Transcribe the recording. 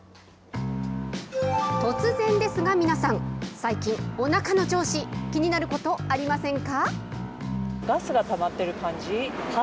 突然ですが、皆さん、最近、おなかの調子、気になることありませんか？